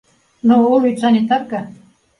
Ну, ул бит санитарка